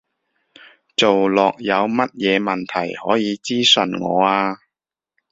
做落有乜嘢問題，可以諮詢我啊